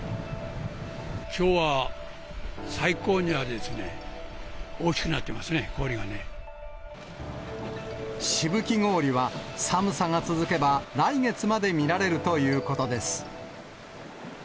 きょうは最高にあれですね、しぶき氷は、寒さが続けば来月まで見られるということです。